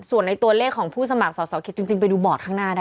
ส่วนในตัวเลขของผู้สมัครสอสอเขตจริงไปดูบอร์ดข้างหน้าได้